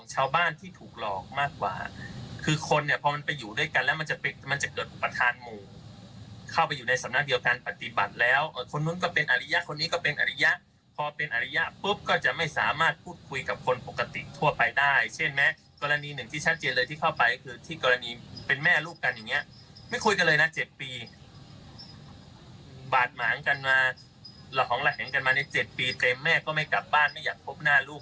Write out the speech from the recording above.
หล่องแหล่งกันมาใน๗ปีเต็มแม่ก็ไม่กลับบ้านไม่อยากพบหน้าลูก